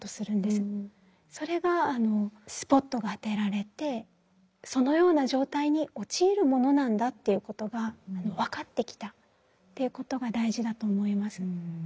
それがスポットが当てられてそのような状態に陥るものなんだっていうことが分かってきたっていうことが大事だと思います。